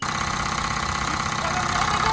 立派な御旗じゃ！